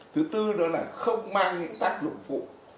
thứ tư đó là không mang những tác dụng phụ